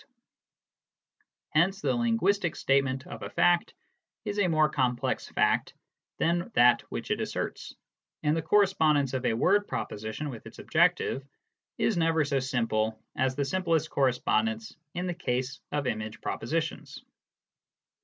* Hence the linguistic statement of a fact is a more complex fact than that which it asserts, and the correspondence of a word proposition with its objective is never so simple as the simplest correspondence in the case of image propositions.